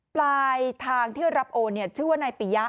ปลายทางที่รับโอนชื่อว่านายปิยะ